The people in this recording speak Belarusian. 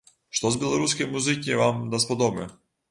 Што з беларускай музыкі вам даспадобы?